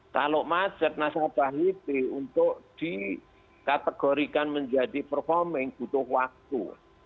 kalau macet nasabah itu untuk dikategorikan menjadi performing butuh waktu